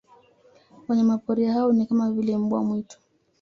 Wanyamapori hao ni kama vile mbwa mwitu